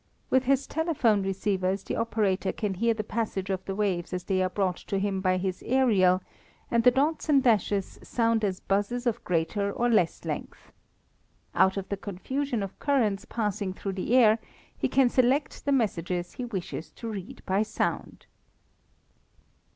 With his telephone receivers the operator can hear the passage of the waves as they are brought to him by his aerial and the dots and dashes sound as buzzes of greater or less length. Out of the confusion of currents passing through the air he can select the messages he wishes to read by sound.